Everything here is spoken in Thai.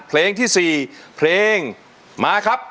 เพลงที่๔เพลงมาครับ